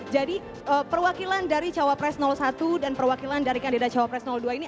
jadi perwakilan dari cawapress satu dan perwakilan dari kandida cawapress dua ini